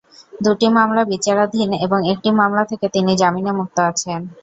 দুটি মামলা বিচারাধীন এবং একটি মামলা থেকে তিনি জামিনে মুক্ত আছেন।